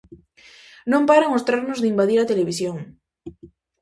Non paran os trasnos de invadir a televisión.